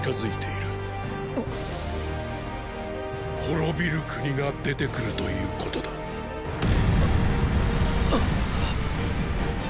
滅びる国が出てくるということだ。っ！